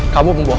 kamu mau bohong